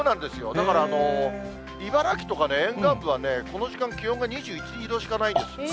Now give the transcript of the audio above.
だから、茨城とかね、沿岸部は、この時間、気温が２１、２度しかないです。